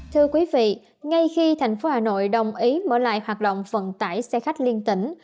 thưa quý vị ngay khi thành phố hà nội đồng ý mở lại hoạt động vận tải xe khách liên tỉnh